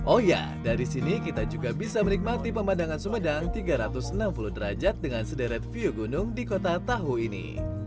oh ya dari sini kita juga bisa menikmati pemandangan sumedang tiga ratus enam puluh derajat dengan sederet view gunung di kota tahu ini